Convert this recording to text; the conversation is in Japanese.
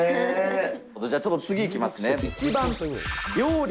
じゃあちょっと次いきますね。